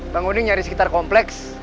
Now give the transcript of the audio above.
bang uding nyari sekitar kompleks